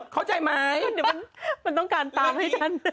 เข้าใจไหมเดี๋ยวมันต้องการตามให้ฉัน